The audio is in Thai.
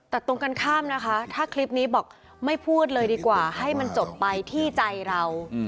แต่ตรงกันข้ามนะคะถ้าคลิปนี้บอกไม่พูดเลยดีกว่าให้มันจบไปที่ใจเรา